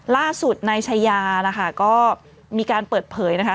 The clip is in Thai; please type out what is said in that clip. ล่าสุดนายชายานะคะก็มีการเปิดเผยนะคะ